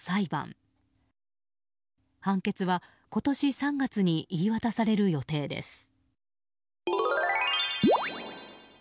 判決は今年３月に言い渡される予定です。